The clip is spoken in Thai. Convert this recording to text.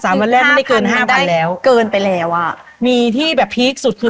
วันแรกไม่ได้เกินห้าวันแล้วเกินไปแล้วอ่ะมีที่แบบพีคสุดคือ